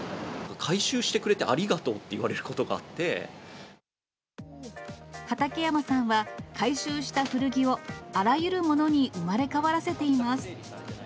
回収してくれてありがとうって言畠山さんは、回収した古着をあらゆるものに生まれ変わらせています。